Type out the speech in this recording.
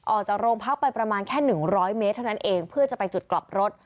ออกจากโรงพักไปประมาณแค่๑๐๐เมตรเท่านั้นเองเพื่อจะไปจุดกลับรถ